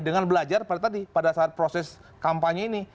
dengan belajar pada saat proses kampanye ini